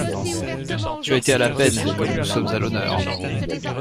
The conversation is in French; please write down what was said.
Tu as été à la peine, comme nous sommes à l'honneur.